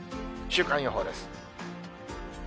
週間予報です。